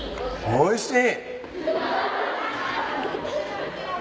おいしい！